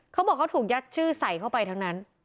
เขาบอกเขาถูกยัดชื่อใส่เข้าไปทั้งนั้น